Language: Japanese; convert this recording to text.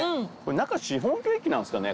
中シフォンケーキなんですかね？